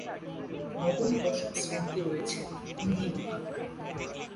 নবম-দশম শ্রেণিতে রয়েছে তিনটি বিভাগ।